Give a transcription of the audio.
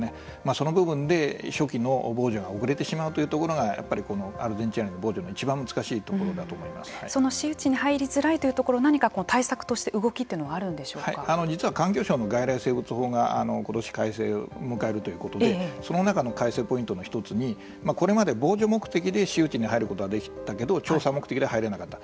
その部分で初期の防除が遅れてしまうというところがやっぱりアルゼンチンアリの防除のいちばん難しいところ私有地に入りづらいというところ何か対策として実は環境省の外来生物法がことし改正を迎えるということでその中の改正ポイントの１つにこれまで防除目的で私有地に入ることはできたけど調査目的で入れなかった。